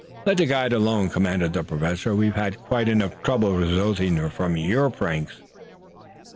"Let the guide alone," commanded the Professor. "We have had quite enough trouble resulting from your pranks."